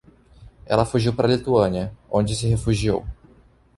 Ela fugiu para a Lituânia, onde se refugiou